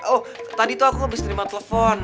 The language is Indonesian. oh tadi tuh aku habis terima telepon